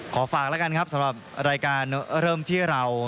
ขอฝากแล้วกันครับสำหรับรายการเริ่มที่เรา